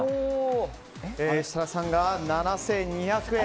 設楽さんが７２００円。